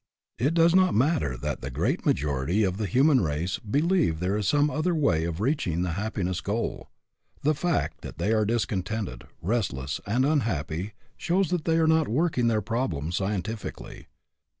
It does not matter that the great majority of the human race believe there is some other way of reach ing the happiness goal. The fact that they are discontented, restless, and unhappy, shows that they are not working their problem scientifically.